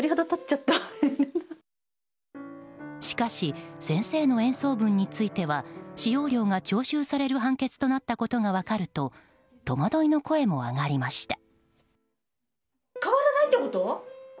しかし先生の演奏分については使用料が徴収される判決となったことが分かると戸惑いの声も上がりました。